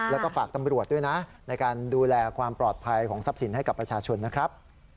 แล้วก็ฝากตำรวจด้วยนะในการดูแลความปลอดภัยของทรัพย์สินให้กับประชาชนนะครับ